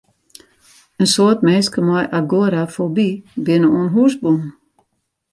In soad minsken mei agorafoby binne oan hûs bûn.